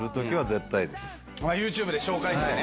ＹｏｕＴｕｂｅで紹介してね。